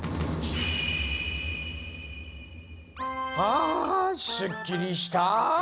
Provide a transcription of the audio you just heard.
あすっきりした。